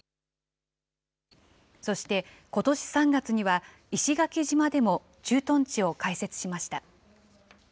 そしてことし３月には、石垣島でも駐屯地を開設しました。